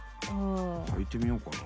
はいてみようかな。